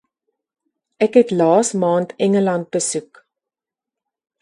Ek het laas maand Engeland besoek